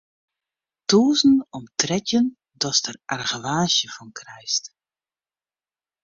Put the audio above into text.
Tûzen om trettjin datst der argewaasje fan krijst.